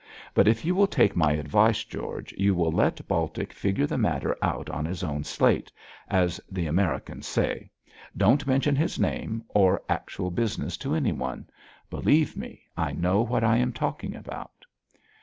But if you will take my advice, George, you will let Baltic figure the matter out on his own slate, as the Americans say. Don't mention his name or actual business to anyone. Believe me, I know what I am talking about.'